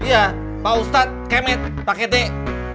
iya pak ustadz kemit pak ketik